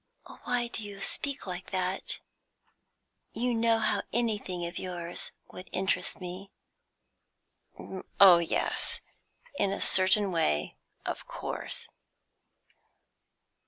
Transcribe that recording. "Why do you speak like that? You know how anything of yours would interest me." "Oh yes, in a certain way, of course."